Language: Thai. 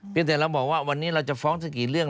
แต่เราบอกว่าวันนี้เราจะฟ้องสักกี่เรื่อง